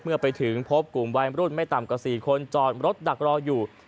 เมื่อไปถึงพบกลุ่มวัยมรุ่นไม่ต่ำกว่า๔คนจอดรถดักรออยู่